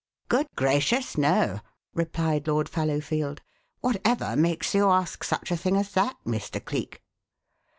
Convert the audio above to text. "Good gracious, no!" replied Lord Fallowfield. "Whatever makes you ask such a thing as that, Mr. Cleek?"